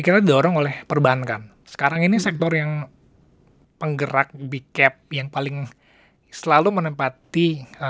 kita dorong oleh perbankan sekarang ini sektor yang penggerak big cap yang paling selalu menempati